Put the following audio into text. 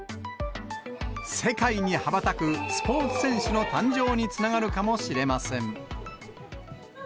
世界に羽ばたくスポーツ選手の誕生につながるかもしれません。